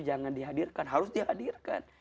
jangan dihadirkan harus dihadirkan